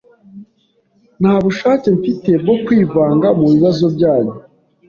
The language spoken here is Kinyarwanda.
Nta bushake mfite bwo kwivanga mu bibazo byanyu.